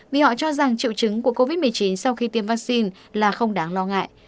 vì họ cho rằng triệu chứng của covid một mươi chín sau khi tiêm vaccine là không đáng lo ngại